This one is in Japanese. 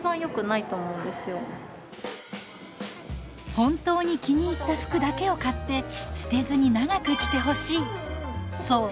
本当に気に入った服だけを買って捨てずに長く着てほしい。